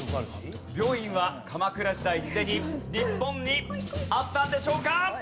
病院は鎌倉時代すでに日本にあったんでしょうか？